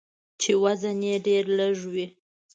چې وزن یې ډیر لږوي.